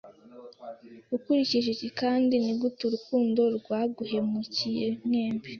Ukurikije iki kandi nigute urukundo rwaguhemukiye mwembi